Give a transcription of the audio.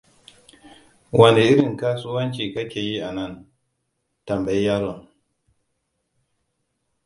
Wane irin kasuwanci ka ke yi anan? tambayi yaron.